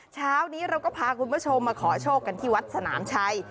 เช้านี้เราก็พาคุณผู้ชมมาขอโชคกันที่วัดสนามชัย